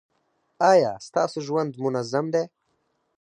ایا ستاسو ژوند منظم دی؟